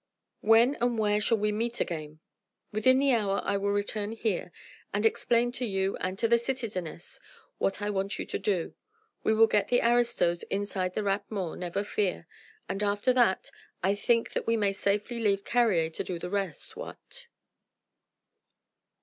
"When and where shall we meet again?" "Within the hour I will return here and explain to you and to the citizeness what I want you to do. We will get the aristos inside the Rat Mort, never fear; and after that I think that we may safely leave Carrier to do the rest, what?"